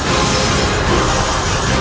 aku tidak percaya